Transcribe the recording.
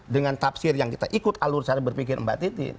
dengan tafsir yang kita ikut alur cara berpikir mbak titi